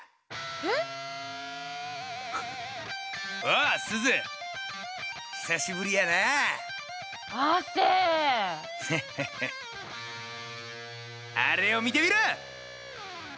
あれを見てみろ！